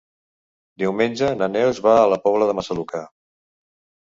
Diumenge na Neus va a la Pobla de Massaluca.